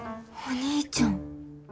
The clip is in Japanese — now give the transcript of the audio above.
お兄ちゃん。